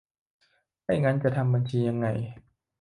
ไม่งั้นจะทำบัญชียังไง